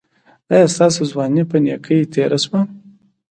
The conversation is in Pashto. ایا ستاسو ځواني په نیکۍ تیره شوه؟